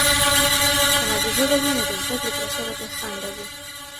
که مادي ژبه وي، نو د زده کړې پروسه به بې خنډه وي.